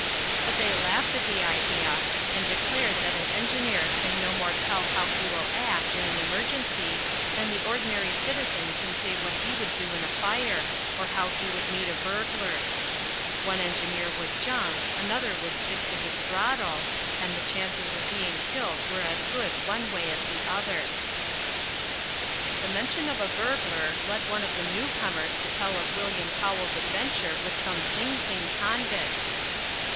But they laughed at the idea, and declared that an engineer can no more tell how he will act in an emergency than the ordinary citizen can say what he would do in a fire, or how he would meet a burglar. One engineer would jump, another would stick to his throttle, and the chances of being killed were as good one way as the other. [Illustration: "CONVICTS HAD REVOLVERS ALL RIGHT THAT TRIP AND DENNY THREW UP HIS HANDS."] The mention of a burglar led one of the new comers to tell of William Powell's adventure with some Sing Sing convicts.